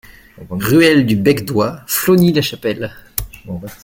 Ruelle du Bec d'Oie, Flogny-la-Chapelle